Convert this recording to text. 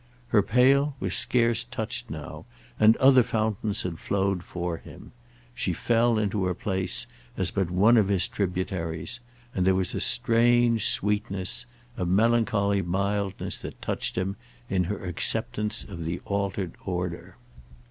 Her pail was scarce touched now, and other fountains had flowed for him; she fell into her place as but one of his tributaries; and there was a strange sweetness—a melancholy mildness that touched him—in her acceptance of the altered order.